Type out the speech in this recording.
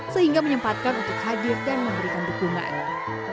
sehingga menyempatkan untuk hadir dan memberikan dukungan